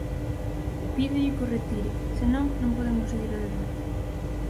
Pídolle que o retire; se non, non podemos seguir o debate.